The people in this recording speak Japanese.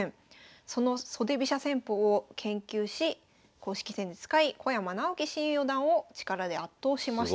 その袖飛車戦法を研究し公式戦で使い小山直希新四段を力で圧倒しました。